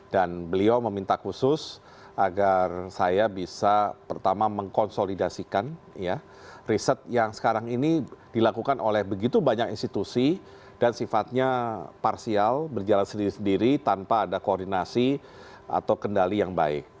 dan beliau meminta khusus agar saya bisa pertama mengkonsolidasikan riset yang sekarang ini dilakukan oleh begitu banyak institusi dan sifatnya parsial berjalan sendiri sendiri tanpa ada koordinasi atau kendali yang baik